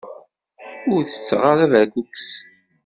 Ur tetteɣ ara berkukes.